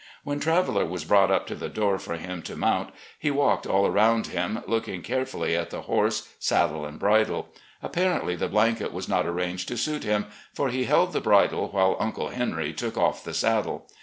When Traveller was brought up to the door for him to mount, he walked all around him, looking carefully at the horse, saddle, and bridle. Apparently the blanket was not arranged to suit him, for he held the bridle while "Uncle Henry" took off the saddle.